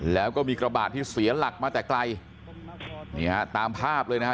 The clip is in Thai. แล้วก็มีกระบะที่เสียหลักมาแต่ไกลนี่ฮะตามภาพเลยนะฮะ